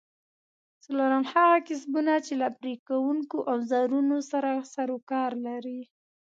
څلورم: هغه کسبونه چې له پرې کوونکو اوزارونو سره سرو کار لري؟